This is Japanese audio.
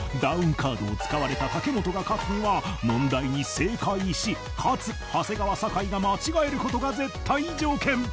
カードを使われた武元が勝つのは問題に正解しかつ長谷川酒井が間違えることが絶対条件